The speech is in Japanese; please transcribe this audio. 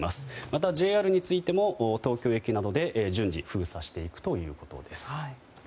またＪＲについても東京駅などで順次封鎖していくということです。